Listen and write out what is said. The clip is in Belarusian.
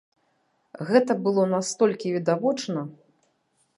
Гэта было настолькі відавочна!